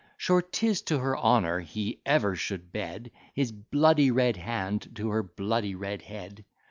Sure 'tis to her honour, he ever should bed His bloody red hand to her bloody red head.